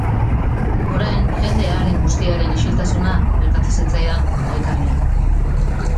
Orain jende haren guztiaren isiltasuna gertatzen zitzaidan gogaikarria.